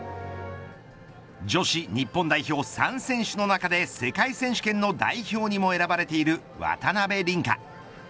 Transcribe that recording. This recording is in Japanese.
女子日本代表３選手の中で世界選手権の代表にも選ばれている渡辺倫果。